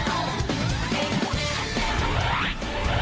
โอ้ย